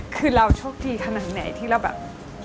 คือเราโชคดีขนาดไหนที่เราแบบ